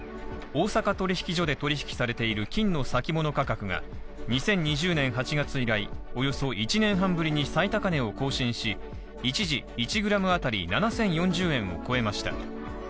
大阪取引所で取引されている金の先物価格が２０２０年８月以来、およそ１年半ぶりに最高値を更新し一時１ｇ当たり７０４０円を超えました。